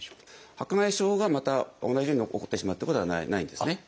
白内障がまた同じように起こってしまうってことはないんですね。